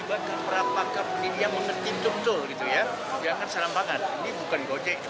jangan seram pangan ini bukan gojek pendidikan